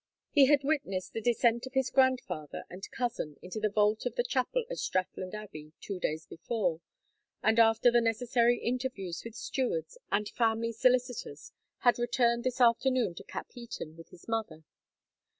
He had witnessed the descent of his grandfather and cousin into the vault of the chapel at Strathland Abbey two days before, and after the necessary interviews with stewards and family solicitors had returned this afternoon to Capheaton with his mother.